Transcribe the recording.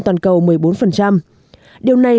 toàn cầu một mươi bốn điều này